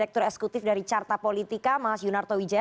direktur eksekutif dari carta politika mas yunarto wijaya